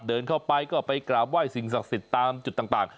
เดินเข้าไปก็ไปกราบไหว้สิ่งศักดิ์สิทธิ์ตามจุดต่าง